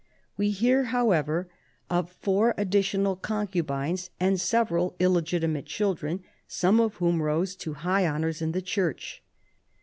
We hear, however, of four additional con cubines and several illegitimate children, some of whom rose to high honors in the church.